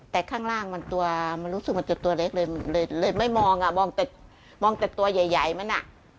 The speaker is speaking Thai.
แต่ข้างล่างมันตัวมันรู้สึกมันจะตัวเล็กเลยเลยไม่มองอ่ะมองแต่มองแต่ตัวใหญ่มันอ่ะ